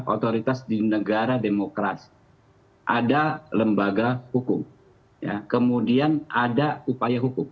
otoritas di negara demokrasi ada lembaga hukum kemudian ada upaya hukum